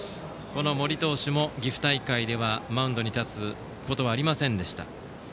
この森投手も岐阜大会ではマウンドに立つことはありませんでした。